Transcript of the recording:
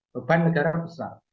beban negara besar